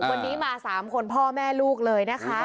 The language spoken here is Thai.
วันนี้มา๓คนพ่อแม่ลูกเลยนะคะ